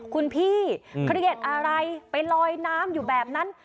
คุณพี่เครียดอะไรไปลอยน้ำอยู่แบบนั้น